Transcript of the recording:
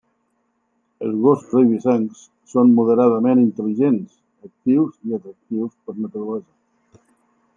Els gossos eivissencs són moderadament intel·ligents, actius i atractius per naturalesa.